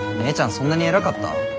そんなに偉かった？